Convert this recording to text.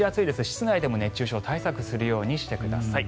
室内でも熱中症対策をするようにしてください。